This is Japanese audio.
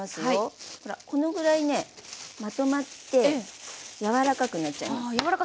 ほらこのぐらいねまとまって柔らかくなっちゃいます。